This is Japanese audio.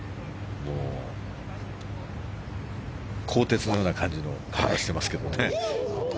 鋼鉄のような感じの体をしていますけどね。